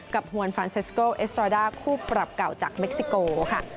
ฮวนฟานเซสโกเอสตราด้าคู่ปรับเก่าจากเม็กซิโกค่ะ